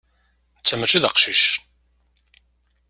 Netta mačči d aqcic.